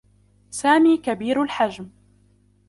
سامي كبير الحجم.